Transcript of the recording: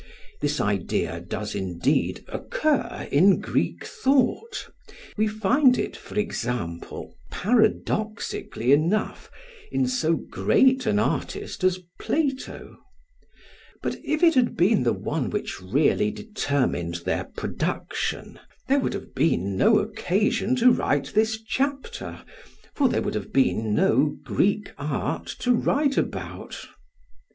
This idea does indeed occur in Greek thought we find it, for example, paradoxically enough, in so great an artist as Plato but if it had been the one which really determined their production, there would have been no occasion to write this chapter, for there would have been no Greek art to write about.